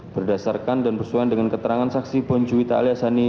berdasarkan dan bersuai dengan keterangan saksi bonjuwita alyasani